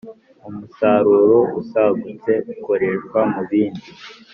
Umusaruro usagutse ukoreshwa mu bindi